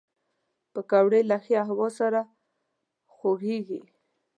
پکورې له ښې هوا سره خوږېږي